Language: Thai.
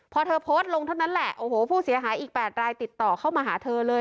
พอเธอโพสต์ลงเท่านั้นแหละโอ้โหผู้เสียหายอีก๘รายติดต่อเข้ามาหาเธอเลย